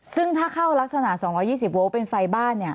ซึ่งถ้าเข้ารักษณะ๒๒๐โวลต์เป็นไฟบ้าน